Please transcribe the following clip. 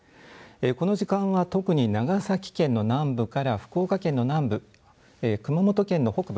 この時間は特に長崎県の南部から福岡県の南部熊本県の北部